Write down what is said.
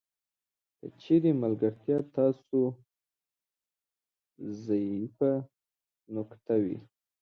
که چیرې ملګرتیا ستاسو ضعیفه نقطه وي.